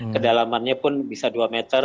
kedalamannya pun bisa dua meter